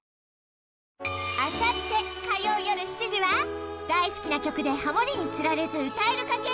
あさって火曜よる７時は大好きな曲でハモりにつられず歌えるか